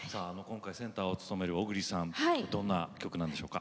センターを務める小栗さん、どんな曲ですか？